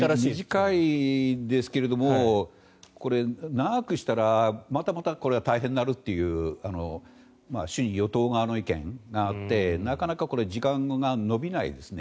短いですけれどもこれ、長くしたらまた大変になるという主に与党側の意見があってなかなか時間が延びないですね。